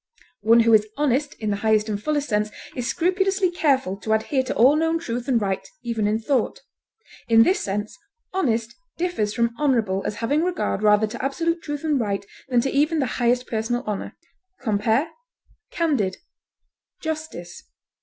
One who is honest in the highest and fullest sense is scrupulously careful to adhere to all known truth and right even in thought. In this sense honest differs from honorable as having regard rather to absolute truth and right than to even the highest personal honor. Compare CANDID; JUSTICE.